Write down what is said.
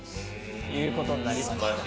いうことになりまして。